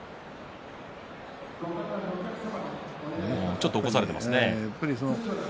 ちょっと起こされてますね。